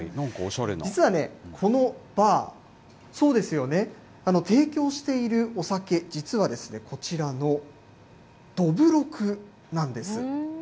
実はね、このバー、そうですよね、提供しているお酒、実はですね、こちらのどぶろくなんです。